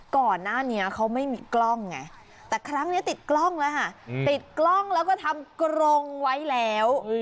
ก่อนหน้านี้เขาไม่มีกล้องไงแต่ครั้งนี้ติดกล้องแล้วค่ะติดกล้องแล้วก็ทำกรงไว้แล้ว